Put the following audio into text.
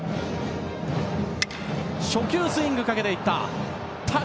初球、スイングかけていった。